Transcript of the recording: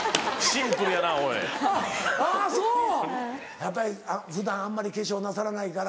やっぱり普段あんまり化粧なさらないから。